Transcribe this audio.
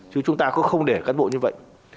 chứ chúng ta cũng không để cán bộ như vậy